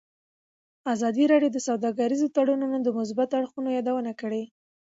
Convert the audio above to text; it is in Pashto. ازادي راډیو د سوداګریز تړونونه د مثبتو اړخونو یادونه کړې.